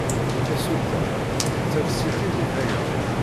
Tasuta tettales-itt-id i tayeḍ.